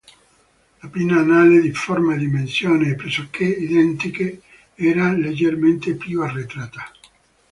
La pinna anale, di forma e dimensioni pressoché identiche, era leggermente più arretrata.